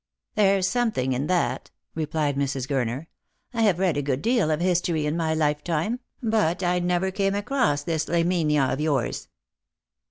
" There's something in that," replied Mrs. Gurner. " I have read a good deal of history in my lifetime, but I never came across this Laminia of yours."